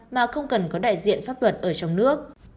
mà không cần có đại diện pháp luật ở trong nước